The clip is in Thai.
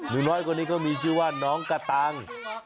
นิ้วน้อยกว่านี้ก็มีชื่อว่าน้องกะตัง